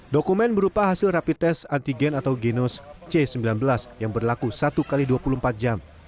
dokumen berupa hasil rapi tes antigen atau genos c sembilan belas yang berlaku satu x dua puluh empat jam